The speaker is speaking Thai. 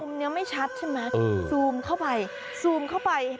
อันทุ่มนี้ไม่ชัดใช่ไหมสูมเข้าไปสูมเข้าไป